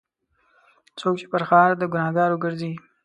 څوک چې پر ښار د ګناهکارو ګرځي.